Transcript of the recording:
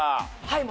はい。